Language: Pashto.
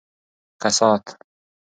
کسات